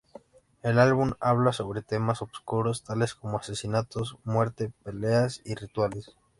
El álbum habla sobre temas oscuros, tales como asesinatos, muerte, peleas y rituales.